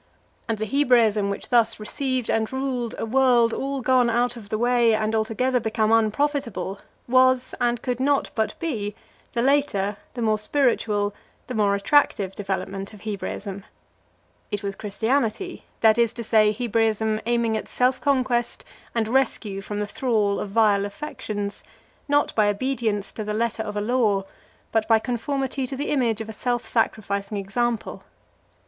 "+ And the Hebraism which thus received and ruled a world all gone out of the way and altogether become unprofitable, was, and could not but be, the later, the more spiritual, the more attractive development of Hebraism. It was Christianity; that is to say, Hebraism aiming at self conquest and rescue from the thrall of vile affections, not by obedience to the letter of a law, but by conformity to the image of a self sacrificing example.